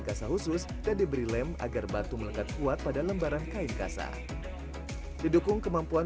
kasa khusus dan diberi lem agar batu melekat kuat pada lembaran kain kasar didukung kemampuan